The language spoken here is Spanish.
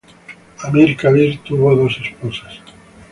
Amir Kabir tuvo dos esposas.